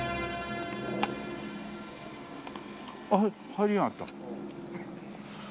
あっ入りやがった。